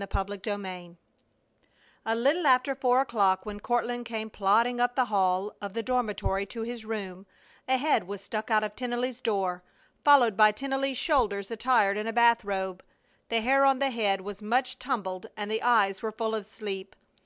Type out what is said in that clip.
CHAPTER XVI A little after four o'clock, when Courtland came plodding up the hall of the dormitory to his room, a head was stuck out of Tennelly's door, followed by Tennelly's shoulders attired in a bath robe. The hair on the head was much tumbled and the eyes were full of sleep.